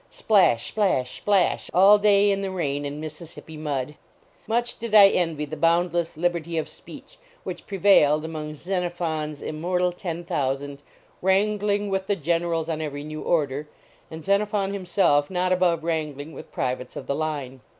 Splash, splash, splash all day in the rain and Mississippi mud. Much did I envy the "boundless liberty of speech " which prevailed among Xenophon s immortal Ten Thousand, "wrangling with the generals on every new order," and Xenophon himself not above wrangling with privates of the line.